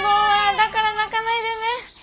だから泣かないでね。